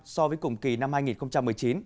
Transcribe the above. so với cùng kỳ năm hai nghìn một mươi chín